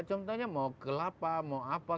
contohnya mau kelapa mau apa